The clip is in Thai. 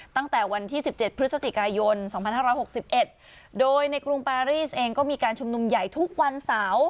ตั้งแต่วันที่๑๗พฤศจิกายน๒๕๖๑โดยในกรุงปารีสเองก็มีการชุมนุมใหญ่ทุกวันเสาร์